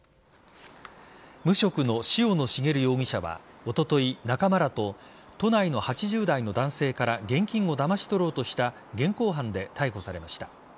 無職の塩野茂容疑者はおととい仲間らと都内の８０代の男性から現金をだまし取ろうとした現行犯で逮捕されました。